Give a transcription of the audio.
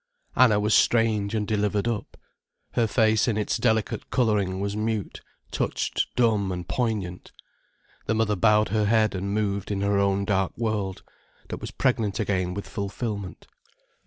Anna was strange and delivered up. Her face in its delicate colouring was mute, touched dumb and poignant. The mother bowed her head and moved in her own dark world, that was pregnant again with fulfilment.